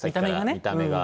見た目が。